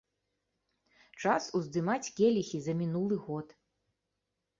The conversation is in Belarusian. Час уздымаць келіхі за мінулы год.